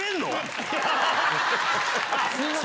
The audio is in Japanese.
あっすいません。